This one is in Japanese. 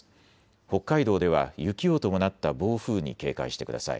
北海道では雪を伴った暴風に警戒してください。